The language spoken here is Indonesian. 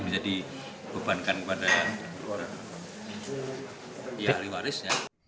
bisa dibebankan kepada ahli warisnya